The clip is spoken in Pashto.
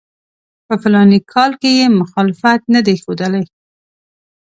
په فلاني کال کې یې مخالفت نه دی ښودلی.